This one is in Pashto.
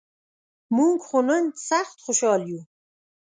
مونږ خو نن سخت خوشال یوو.